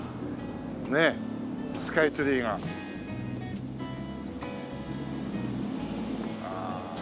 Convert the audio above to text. ねっスカイツリーが。ああ。